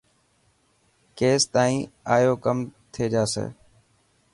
ڪيس تائن ايئو ڪم ٿي جاسي.